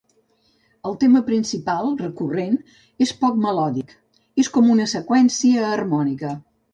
El tema principal, recurrent, és poc melòdic; és com una seqüència harmònica.